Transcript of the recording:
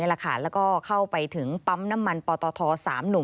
แล้วก็เข้าไปถึงปั๊มน้ำมันปตท๓หนุ่ม